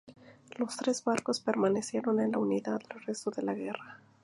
Los tres barcos permanecieron en la unidad el resto de la guerra.